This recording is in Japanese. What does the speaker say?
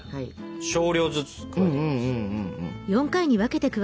少量ずつ加えていきます。